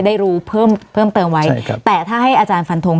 ได้รู้เพิ่มเพิ่มเติมไว้ครับแต่ถ้าให้อาจารย์ฟันทง